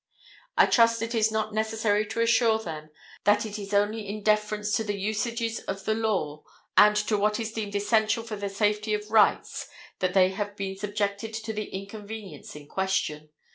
I trust it is not necessary to assure them that it is only in deference to the usages of the law and to what is deemed essential for the safety of rights that they have been subjected to the inconvenience in question.